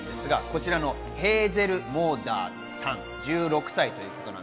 ヘーゼル・モーダーさん、１６歳。